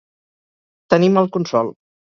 Tenir mal consol.